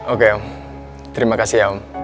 oke om terima kasih ya om